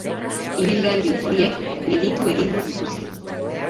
Ibilgailu horiek gelditu egingo dituzte.